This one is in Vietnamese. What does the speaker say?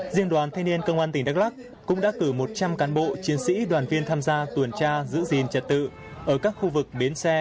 riêng đoàn thanh niên công an tỉnh đắk lắc cũng đã cử một trăm linh cán bộ chiến sĩ đoàn viên tham gia tuần tra giữ gìn trật tự ở các khu vực bến xe